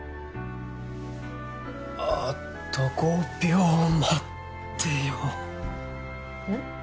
あと５秒待ってようん？